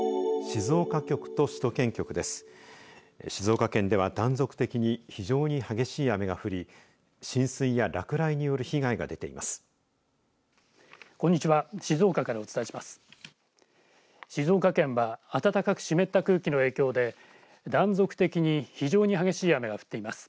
静岡県では断続的に非常に激しい雨が降り浸水や落雷による被害が出ています。